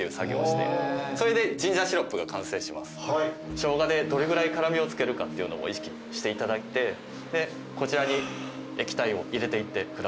ショウガでどれぐらい辛味を付けるかっていうのも意識していただいてこちらに液体を入れていってください。